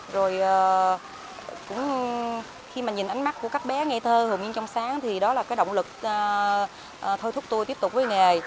rồi cũng khi mà nhìn ánh mắt của các bé ngây thơ hồn nhiên trong sáng thì đó là cái động lực thôi thúc tôi tiếp tục với nghề